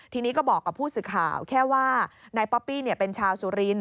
ทีนี้ก็บอกกับผู้สื่อข่าวแค่ว่านายป๊อปปี้เป็นชาวสุรินท